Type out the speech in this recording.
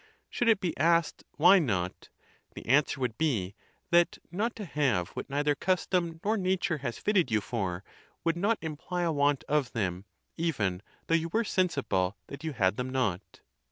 Should it be asked, why not? the answer would be, that not to have what neither custom nor nature has fitted you for would not imply a want of them, even though you were sensible that you had them not.